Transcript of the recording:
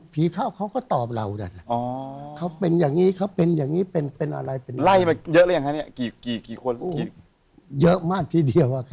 ผีก็คือคนคนก็คือผี